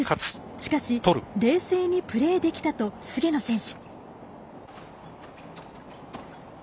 しかし冷静にプレーできたと菅野選手。